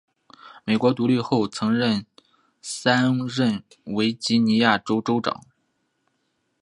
美国独立后曾三任维吉尼亚州州长。